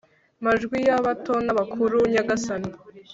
majwi y'abato n'abakuru nyagasani